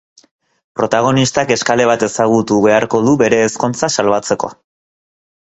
Protagonistak eskale bat ezagutu beharko du bere ezkontza salbatzeko.